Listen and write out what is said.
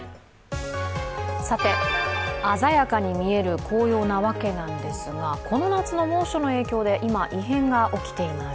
さて、鮮やかに見える紅葉なわけなんですがこの夏の猛暑の影響で今、異変が起きています。